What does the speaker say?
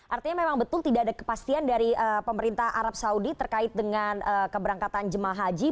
artinya memang betul tidak ada kepastian dari pemerintah arab saudi terkait dengan keberangkatan jemaah haji